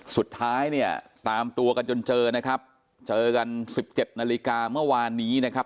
สุดท้ายเนี่ยตามตัวกันจนเจอนะครับเจอกันสิบเจ็ดนาฬิกาเมื่อวานนี้นะครับ